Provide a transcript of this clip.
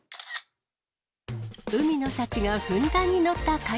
海の幸がふんだんに載った海